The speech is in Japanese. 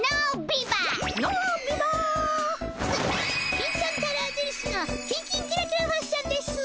金ちゃん太郎じるしのキンキンキラキラファッションですぅ。